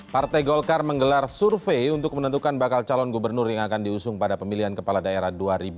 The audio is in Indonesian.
partai golkar menggelar survei untuk menentukan bakal calon gubernur yang akan diusung pada pemilihan kepala daerah dua ribu dua puluh